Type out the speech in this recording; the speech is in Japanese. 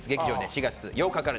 ４月８日から。